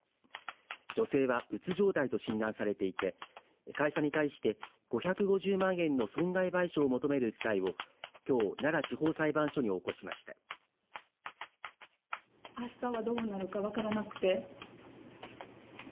女性はうつ状態と診断されていて会社に対して５５０万円の損害賠償を求める訴えをきょう奈良地方裁判所に起こしました。